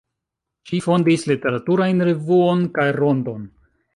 Ŝi fondis literaturajn revuon kaj rondon.